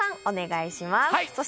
お願いします。